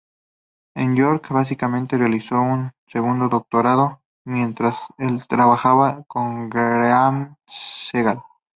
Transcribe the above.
En York, "básicamente realizó un segundo doctorado" mientras trabajaba con Graeme Segal.